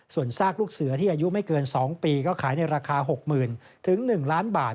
ส่วนซากลูกเสือที่อายุไม่เกิน๒ปีก็ขายในราคา๖๐๐๐๑ล้านบาท